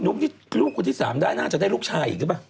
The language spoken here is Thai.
นุ๊กที่ไร้คนที่สามด้าน่าจะได้ลูกชายอีกหรือเปล่า